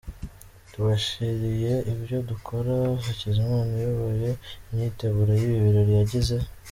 Tubashyiriye ibyo dukora Hakizimana uyoboye. imyiteguro y’ibi birori yagize.